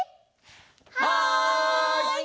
はい！